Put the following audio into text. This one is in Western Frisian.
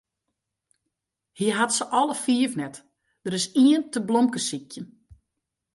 Hy hat se alle fiif net, der is ien te blomkesykjen.